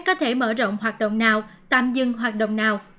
có thể mở rộng hoạt động nào tạm dừng hoạt động nào